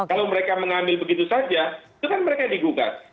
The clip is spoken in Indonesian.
kalau mereka mengambil begitu saja itu kan mereka digugat